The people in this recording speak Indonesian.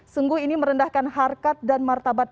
sungguh ini merendahkan harkat dan martabat